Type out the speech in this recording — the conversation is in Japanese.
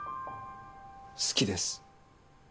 好きです。